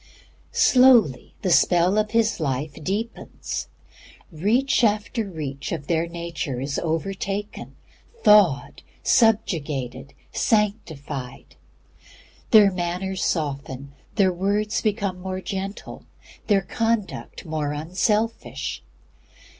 Slowly the spell of His Life deepens. Reach after reach of their nature is overtaken, thawed, subjugated, sanctified. Their manner softens, their words become more gentle, their conduct more unselfish.